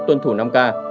tuân thủ năm k